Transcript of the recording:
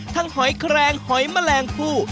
หอยแครงหอยแมลงผู้